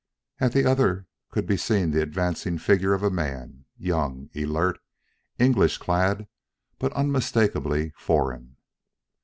At the other could be seen the advancing figure of a man, young, alert, English clad but unmistakably foreign.